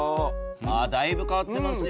あっだいぶ変わってますよ。